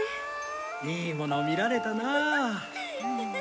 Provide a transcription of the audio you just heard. いいもの見られたなあ。